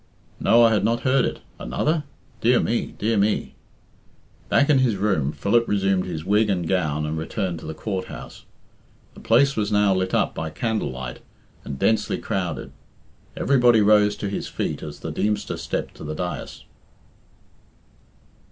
"No, I had not heard it. Another? Dear me, dear me!" Back in his room, Philip resumed his wig and gown and returned to the Court house. The place was now lit up by candlelight and densely crowded. Everybody rose to his feet as the Deemster stepped to the dais.